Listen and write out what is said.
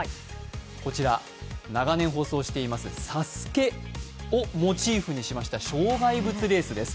こちら、長年放送しています「ＳＡＳＵＫＥ」をモチーフにしました障害物レースです。